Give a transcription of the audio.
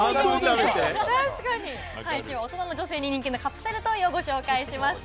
最近、大人の女性に人気のカプセルトイをご紹介しました。